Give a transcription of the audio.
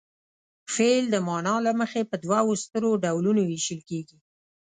فعل د معنا له مخې په دوو سترو ډولونو ویشل کیږي.